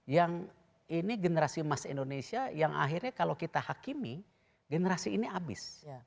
yang ini generasi emas indonesia yang akhirnya kalau kita hakimi generasi ini habis